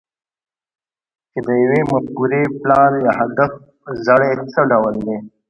چې د يوې مفکورې، پلان، يا هدف زړی څه ډول دی؟